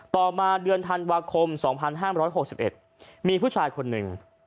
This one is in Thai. ต่อมาเดือนธันวาคม๒๕๖๑มีผู้ชายคนหนึ่ง